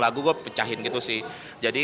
lagu gue pecahin gitu sih jadi